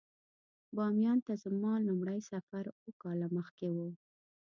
باميان ته زما لومړی سفر اووه کاله مخکې و.